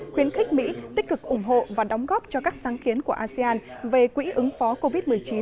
khuyến khích mỹ tích cực ủng hộ và đóng góp cho các sáng kiến của asean về quỹ ứng phó covid một mươi chín